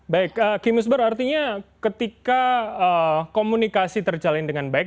baik kimusber artinya ketika komunikasi terjalin dengan baik